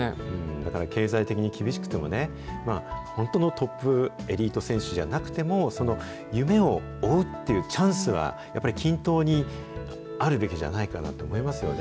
だから経済的に厳しくてもね、まあ、本当のトップエリート選手じゃなくても、その夢を追うっていうチャンスは、やっぱり均等にあるべきじゃないかなと思いますよね。